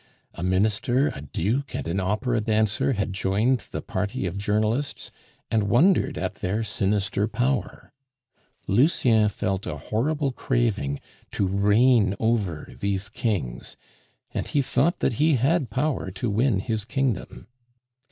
A minister, a duke, and an opera dancer had joined the party of journalists, and wondered at their sinister power. Lucien felt a horrible craving to reign over these kings, and he thought that he had power to win his kingdom.